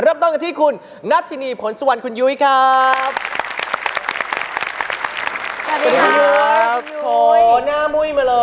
รับต้องกันที่คุณนัทธินีผลสวรรค์คุณยุ้ยครับ